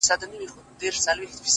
• د سترگو د ملا خاوند دی،